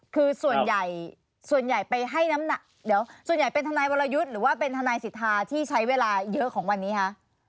คือส่วนใหญ่เป็นทนายภรรยุดหรือควายทนายศิษฐาที่ใช้เวลาเยอะของวันนี้ค่ะ